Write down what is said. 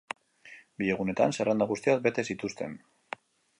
Bi egunetan, zerrenda guztiak bete zituzten.